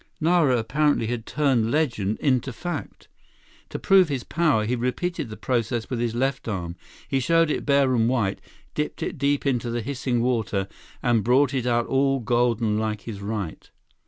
Nara apparently had turned legend into fact. To prove his power, he repeated the process with his left arm. He showed it bare and white, dipped it deep into the hissing water and brought it out all golden like his right.